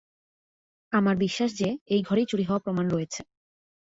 আমার বিশ্বাস যে, এই ঘরেই চুরি হওয়া প্রমাণ রয়েছে।